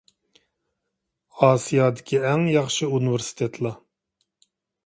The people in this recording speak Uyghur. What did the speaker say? ئاسىيادىكى ئەڭ ياخشى ئۇنىۋېرسىتېتلار.